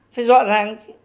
phải rõ ràng